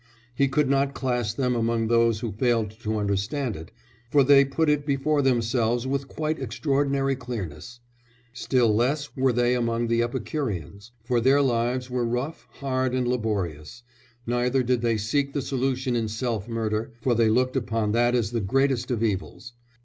He could not class them among those who failed to understand it, for they put it before themselves with quite extraordinary clearness; still less were they among the Epicureans, for their lives were rough, hard, and laborious; neither did they seek the solution in self murder, for they looked upon that as the greatest of evils.